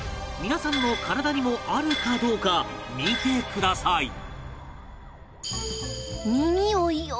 皆さんの体にもあるかどうか見てください